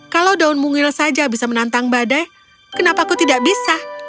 kalau daun mungil saja bisa menantang badai kenapa aku tidak bisa